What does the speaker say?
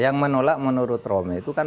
yang menolak menurut romy itu kan